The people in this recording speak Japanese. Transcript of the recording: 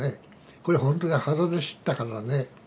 これほんとに肌で知ったからね。